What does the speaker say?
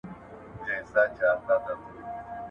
• گوز په ټوخي نه تېرېږي.